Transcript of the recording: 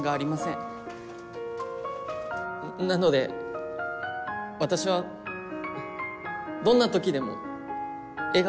なので私はどんな時でも笑顔で。